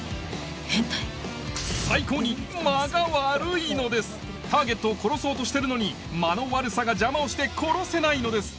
「変態？」ターゲットを殺そうとしてるのに間の悪さが邪魔をして殺せないのです！